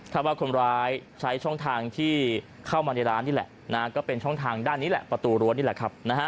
ถ้าว่าคนร้ายใช้ช่องทางที่เข้ามาในร้านนี่แหละก็เป็นช่องทางด้านนี้แหละประตูรั้วนี่แหละครับ